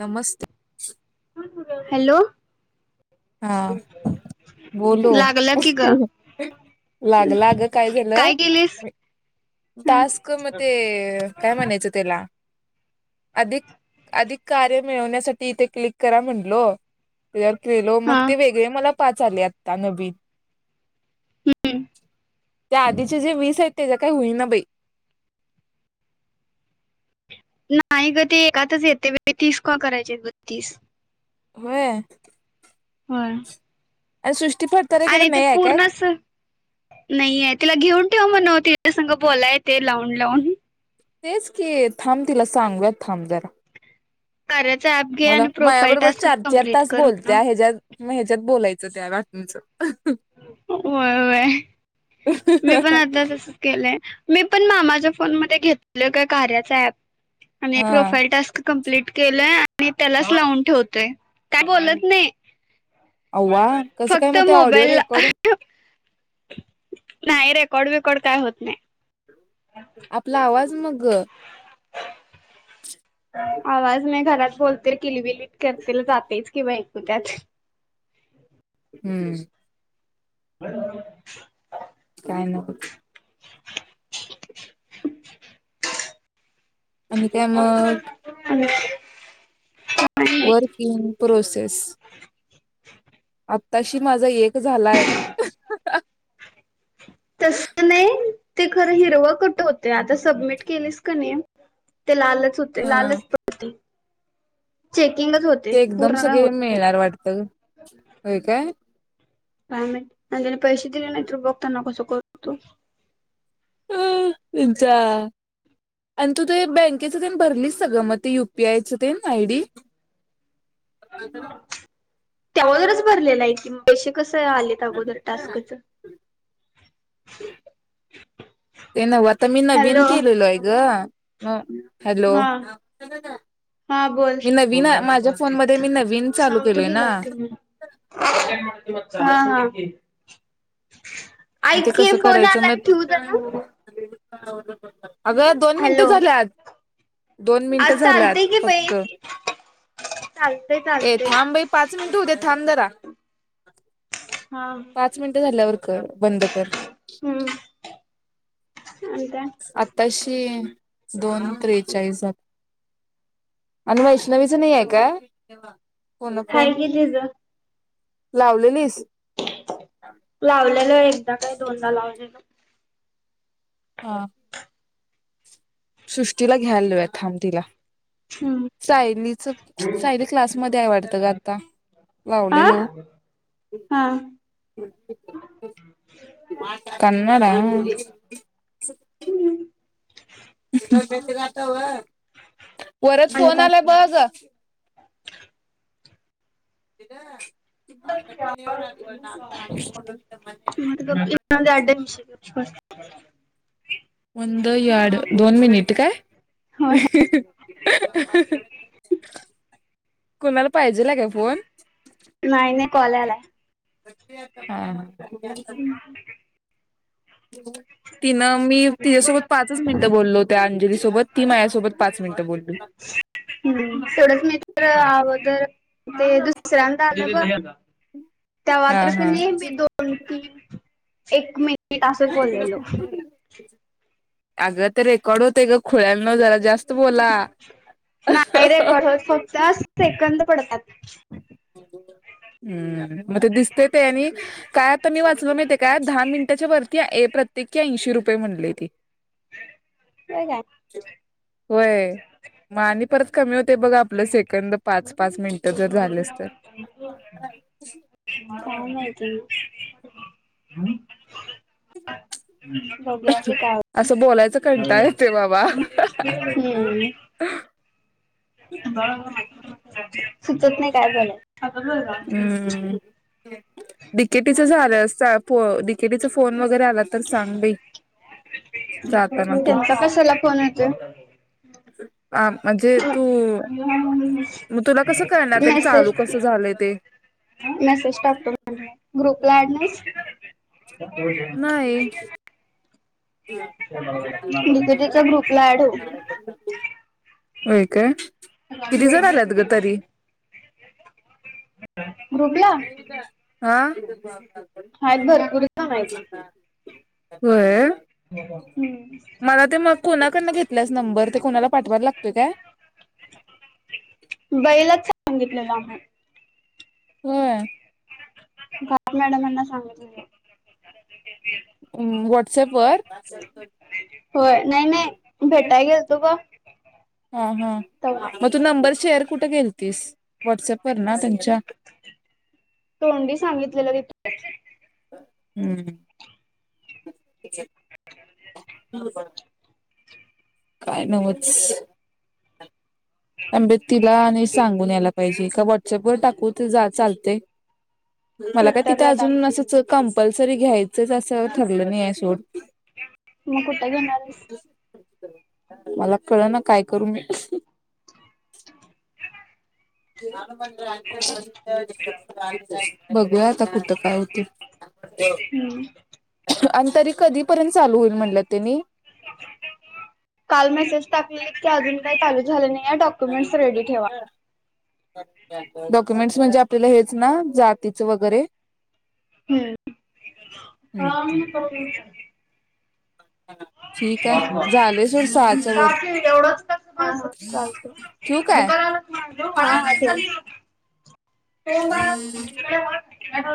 नमस्ते. Hello हा बोलो लागला की ग लागला गं, काय झालं म ह टास्कमध्ये काय म्हणायचं त्याला अधिक अधिक कार्य मिळवण्यासाठी इथे क्लिक करा म्हटलो, त्याज्यावर क्लि मग हा ते वेगळे मला पाच आले आत्ता नवीन, त्या आधीचे जे वीस आहेत त्याला काही होईना बाई. नाही गं ते एकातच येते पण तीस का करायचेत बत्तीस होयं. व्हय अ सुश आणि ते पूर्णचं नाहीये आहे तिला घेऊन ठेव म्हणाव तिज्यासंग बोलाय येतंय लावून लावून तेचं की थांब तिला सांगूयात थांब जरा. कार्याच ऍप घे मला आणि प्रोफाईल मायाबरोबर टास्क चार चार कंप्लीट तास कर म्हणाव बोलतिया, ह्याच्यात म ह्याच्यात बोलाय ज त्या वाटणीचं अहं व्हय व्हय, मी पणं आता तसचं केलंय. मी पण मामाच या फोनमध्ये घेतलं का कार्याचा ॲप आणि हा प्रोफाईल टास्क कम्प्लिट केलयं आणि त्यालाच लावून ठेवतयं, काय बोलतं नई. अव्वा कसं काय फक्त मग ते ऑडिओ मोबाईलला रेकॉर्ड अहं ठेव नाही रेकॉर्ड बिकॉर्ड काय होत नाही. आपला आवाज मग आवाज मी घरात बोलते किलबली करतील जातंयच कि बाई ऐकू त्यात [inaudible] हं [unintelligible] काय नको? आणि त्या म मग वर्क इन प्रोसेस अप आताशी माझा एक झालाय. तस नाही ते खरं हिरव कुटं होतय, आता सबमिट केलीस की नाही. ते लालच होते हा लालचं पट्टी. चे ते एकदम सगळे मिळणार वाटतं. व्हयं कायं? [inaudible] पैसे दिले नाही तरी लोकांना कस कळतं. [unintelligible] [unintelligible] आणि तू ते बँकेचं तेन भरलीस सगळं मग ते यु पी आय चं ते आयडी. [inaudible] त्यावरचं भरलेला आहे की मग पैशे कसं आलेत अगोदर [inaudible] टास्कच. ते नव्हं आता मी हॅलो नवीन केलेलो आहे गं. हं हां हां बोल मी नवीन माझ्या फोनमध्ये मी नवीन चालू सांगतो केलोय ना गेलावरती मग हां हां मग ऐक ते की कसं फोन करायचं आलाय ठेवू जरा मग [inaudible] अगं दोन मिनिटं हॅलो झाल्यात, दोन आज मिनटं झाल्यात चालतय की बाई फक्त चालतय ए चालतय थांब ए, पाच मिनटं होऊ देत. थांब जरा हा पाच मिनटं झाल्यावर कर बंद कर. हम्म आणि काय आताशी दोन त्रेचाळीस- आणि वैष्णवीचं नाही आहे का हाय गेली गं लावलेलीस लावल्यालो एकदा काय दोनदा लावल्यालो हां सृष्टीला घ्यायला लावूया थांब तिला हम्म सायलीचं सायली क्लास मध्ये आहे वाटतं गात आत्ता आ लावलेलं ओ हा [unintelligible] कन्नड. [unintelligible] परत आणि फोन काय आलाय बघं [unintelligible] आजवर आमचं आयुष्य बदलत म्हणे [inaudible] [unintelligible] दोन मिनिट कायं? होय कुणाला पाहिजे दिला का फोन? काॅल यालाय हा. [inaudible] तिनं मी तिच्या्सोबत पाच मिनटं बोललो, त्या अंजली सोबत. ती माझ्यासोबत पाच मिनिटं बोलली. [unintelligible] हूं सोडत नाहीत खर अगोदर ते दुसऱ्यांदा आल बग तेव्हा हा तर हा कनी मी दोन तीन एक मी ट असच बोललेलो. अगं ते रेकॉर्ड होतय ग खुळ्यानो जरा जास्त बोला नाही रेकॉर्ड होत, फक्त सेकंद पडतात. हम्म मग ते दिसतय ते आणि काय ते मी वाचल माहितीय काय, दहा मिनिटाच्या वरती प्रत्येकी ऐंशी रुपये म्हंटलय ते. होय काय? व्हय म आणि परत कमी होतय बघ आपलं सेकंद पाच पाच मिनिटं [unintelligible] जर झालेस तर काय म्हायती. [unintelligible] बगुया की काय हुतय. असं बोलायचं कंटाळ येतोय बाबा हम्म तुमाला पण हाय [unintelligible] सुचत नाही काय झालं. आता बोलो राम डि के टी च झालं अस फो डि के टी चा फोन वगैरे आला तर सांग बई. [unintelligible] त्येंचा कशाला फोन येतोय? आ म्हणजे तू मग तुला कसं कळणार? ते चालू मेसेज कसं झालंय ते. ये. मेसेज टाकतो बग [unintelligible] ग्रुप ला ऍड नाहीस? नाही [unintelligible] [unintelligible] डीकेटीच्या ग्रुपला ॲड हो. व्हय काय? किती जण आल्यात ग तरी? [unintelligible] ग्रुपला हां [unintelligible] आहेत बऱ्या [unintelligible] होय. हम्म. मला ते मग कोणाकन घेतलीयास नंबर ते कोणाला पाठवायला लागतोय काय? सांगितलं लांब हाय. व्हय. गाडे मॅडमांना सांगीतलय मी. व्हॉट्स ॲपवर तो ब हा हा मग तू नंबर शेअर कुठ केल तीस व्हॉट्सअपवर? तोंडी सांगितलेलं लिह [inaudible] हम्म. [inaudible] [unintelligible] काय नव्हच. [unintelligible] तिला आणि सांगून यायला पाहिजे का व्हॉट्सॲप वर टाक. तुझं तु जा चालतय. मला काय तिथं ट्विटरला टाक अजून असच कंपल्सरी घ्यायचंच असं ठरलं नाही ए सोड. म कुठ घेणार हाईस? [unintelligible] मला कळ ना काय करू मी? जी हा. बघूया आता कुठं काय होतय? हम्म. आणि तरी कधीपर्यंत? चालू होईल म्हणलं त्यांनी काल मेसेज टाकलाय की अजून काय चालू झालं नाही आहे, डॉक्युमेंट्स रेडी ठेवा. डॉक्युमेंट्स? म्हणजे आपल्याला हेच ना जातीच वगैरे हम्म हम कभी का ठीक आहे एवढच झाले सोड सहाच्या कस वर हा हा चालतय ठेवू बाळा हा ठेव ठेव बाळा ते [unintelligible] [inaudible]